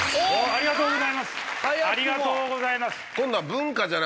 ありがとうございます。